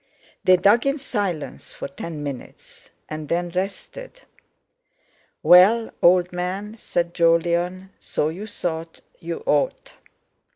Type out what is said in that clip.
They dug in silence for ten minutes, and then rested. "Well, old man," said Jolyon, "so you thought you ought?"